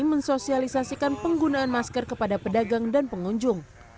mensosialisasikan penggunaan masker kepada pedagang dan pengunjung